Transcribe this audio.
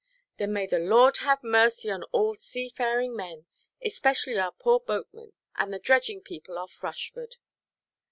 "Then may the Lord have mercy on all seafaring men, especially our poor boatmen, and the dredging people off Rushford!"